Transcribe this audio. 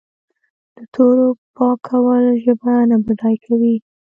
د تورو پاکول ژبه نه بډای کوي.